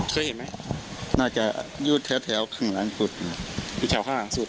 เคยเห็นไหมน่าจะอยู่แถวครึ่งหลังกุฎอยู่แถวห้างสุด